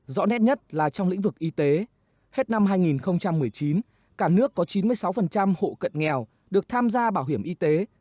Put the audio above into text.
rõ nét nhất là trong lĩnh vực y tế hết năm hai nghìn một mươi chín cả nước có chín mươi sáu hộ cận nghèo được tham gia bảo hiểm y tế